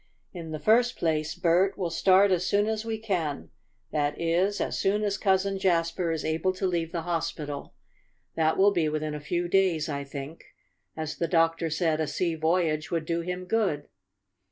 "In the first place, Bert, we'll start as soon as we can that is as soon as Cousin Jasper is able to leave the hospital. That will be within a few days, I think, as the doctor said a sea voyage would do him good.